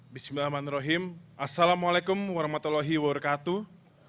bismillahirrahmanirrahim assalamu'alaikum warahmatullahi wabarakatuh